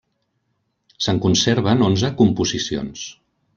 Se'n conserven onze composicions.